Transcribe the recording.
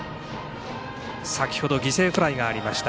先ほど犠牲フライがありました。